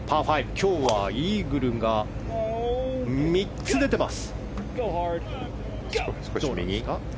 今日はイーグルが３つ出ています。